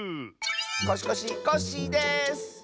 コシコシコッシーです！